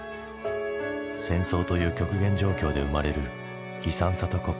戦争という極限状況で生まれる悲惨さと滑稽さ。